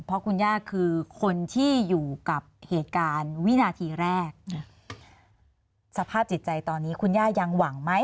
เพราะคุณย่าคือคนที่อยู่กับเหตุการณ์วินาทีแรกสภาพจิตใจตอนนี้คุณย่ายังหวังไหม